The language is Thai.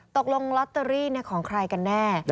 ตกลงลอตเตอรี่ของใครกันแน่